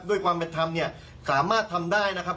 ด้วยความเป็นทำความสามารถทำได้นะครับ